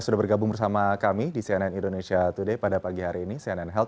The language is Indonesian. sudah bergabung bersama kami di cnn indonesia today pada pagi hari ini cnn healt